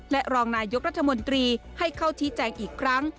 และรองนายกรัฐมนตรีให้เข้าชี้แจงอีกครั้ง